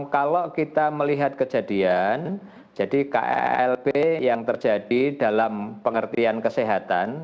kalau kita melihat kejadian jadi klb yang terjadi dalam pengertian kesehatan